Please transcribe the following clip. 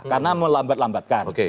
karena melambat lambatkan oke